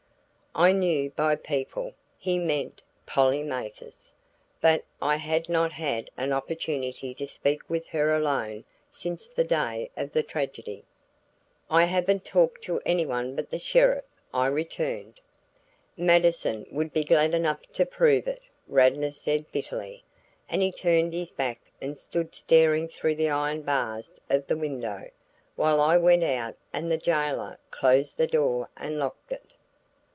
I knew by "people" he meant Polly Mathers; but I had not had an opportunity to speak with her alone since the day of the tragedy. "I haven't talked to anyone but the sheriff," I returned. "Mattison would be glad enough to prove it," Radnor said bitterly, and he turned his back and stood staring through the iron bars of the window, while I went out and the jailer closed the door and locked it.